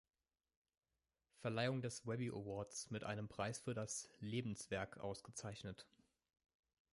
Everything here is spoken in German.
Verleihung des Webby Awards mit einem Preis für das „Lebenswerk“ ausgezeichnet.